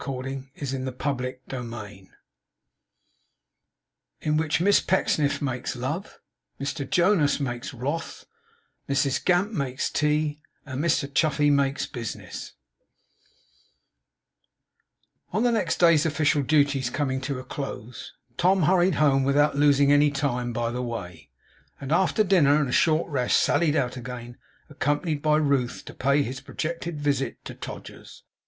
from memory. CHAPTER FORTY SIX IN WHICH MISS PECKSNIFF MAKES LOVE, MR JONAS MAKES WRATH, MRS GAMP MAKES TEA, AND MR CHUFFEY MAKES BUSINESS On the next day's official duties coming to a close, Tom hurried home without losing any time by the way; and after dinner and a short rest sallied out again, accompanied by Ruth, to pay his projected visit to Todgers's.